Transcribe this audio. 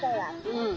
うん。